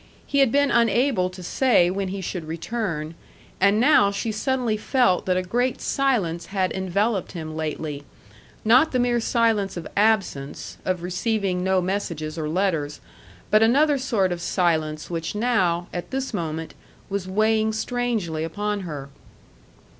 He had been unable to say when he should return, and now she suddenly felt that a great silence had enveloped him lately: not the mere silence of absence, of receiving no messages or letters, but another sort of silence which now, at this moment, was weighing strangely upon her.